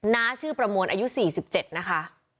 ้าชื่อประมวลอายุ๔๗นะคะ